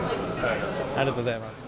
ありがとうございます。